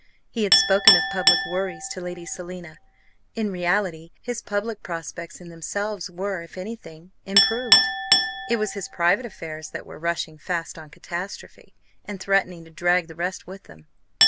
He had spoken of public worries to Lady Selina. In reality his public prospects in themselves were, if anything, improved. It was his private affairs that were rushing fast on catastrophe, and threatening to drag the rest with them.